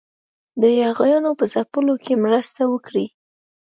د یاغیانو په ځپلو کې مرسته وکړي.